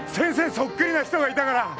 そっくりな人がいたから。